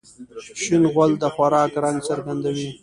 شین غول د خوراک رنګ څرګندوي.